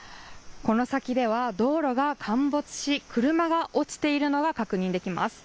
この先では道路が陥没し車が落ちているのが確認できます。